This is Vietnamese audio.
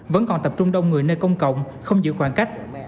vẫn còn tập trung đông người nơi công cộng không giữ khoảng cách